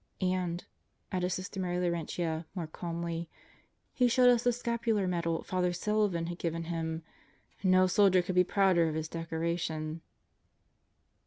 "And," added Sister Mary Laurentia more calmly, "he showed us the Scapular Medal Father Sullivan had given him. No soldier could be prouder of his decoration."